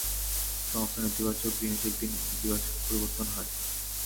সমস্ত নেতিবাচক জিনিস একদিন ইতিবাচকে পরিবর্তন হয়।